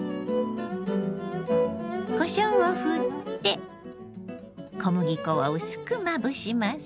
こしょうをふって小麦粉を薄くまぶします。